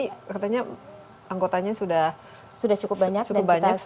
ini katanya anggotanya sudah cukup banyak seluruh indonesia